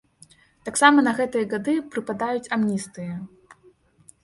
Таксама на гэтыя гады прыпадаюць амністыі.